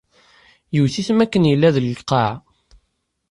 Iwet-it m akken yella deg lqaɛa.